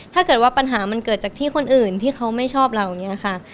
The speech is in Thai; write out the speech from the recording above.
ถ้าเกิดว่าปัญหามันเกิดจากที่คนอื่นที่เขาไม่ชอบเราอย่างนี้ค่ะ